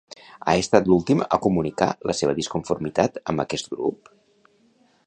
Ha estat l'últim a comunicar la seva disconformitat amb aquest grup?